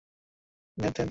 ধ্যাত, ধ্যাত, ধ্যাত!